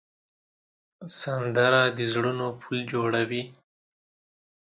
سندره د زړونو پل جوړوي